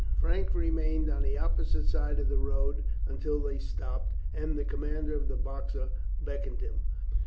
Frank remained on the opposite side of the road until they stopped, and the commander of the Boxer beckoned to him.